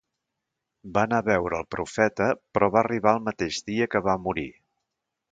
Va anar a veure al Profeta però va arribar al mateix dia que va morir.